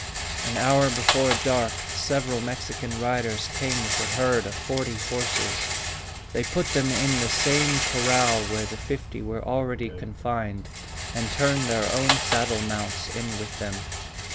An hour before dark, several Mexican riders came with a herd of forty horses. They put them in the same corral where the fifty were already confined, and turned their own saddle mounts in with them.